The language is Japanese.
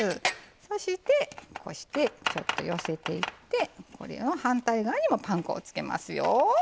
そしてこうしてちょっと寄せていってこれを反対側にもパン粉をつけますよ。